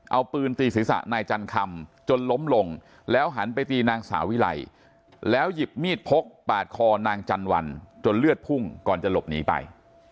เอาปืนตีศีรษะนายจันคำจนล้มลงแล้วหันไปตีนางสาวิไลแล้วหยิบมีดพกปาดคอนางจันวัลจนเลือดพุ่งก่อนจะหลบหนีไป